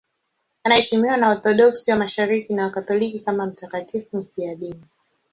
Anaheshimiwa na Waorthodoksi wa Mashariki na Wakatoliki kama mtakatifu mfiadini.